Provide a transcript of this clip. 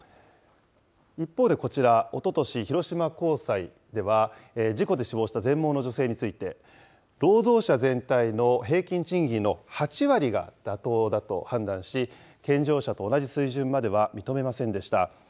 一方でこちら、おととし、広島高裁では事故で死亡した全盲の女性について、労働者全体の平均賃金の８割が妥当だと判断し、健常者と同じ水準までは認めませんでした。